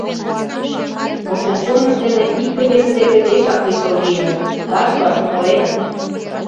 Но шӱм-чонышт дене икте-весе деке пешак лишыл лийыныт, ваш-ваш умыленыт.